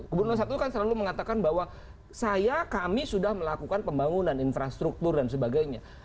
gubernur satu kan selalu mengatakan bahwa saya kami sudah melakukan pembangunan infrastruktur dan sebagainya